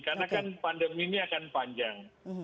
karena kan pandemi ini akan panjang